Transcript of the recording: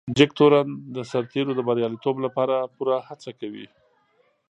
جګتورن د سرتیرو د بريالیتوب لپاره پوره هڅه کوي.